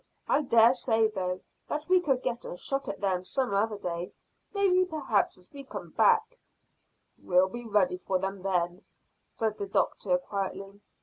I dare say, though, that we could get a shot at them some other day. Might perhaps as we come back." "We'll be ready for them then," said the doctor quietly.